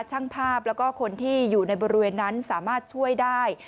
ช่างภาพแล้วก็คนที่อยู่ในบริเวณนั้นสามารถช่วยได้